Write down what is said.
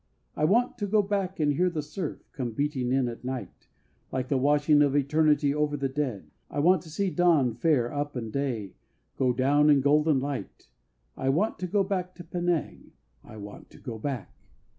I want to go back and hear the surf Come beating in at night, Like the washing of eternity over the dead. I want to see dawn fare up and day Go down in golden light; I want to go back to Penang! I want to go back!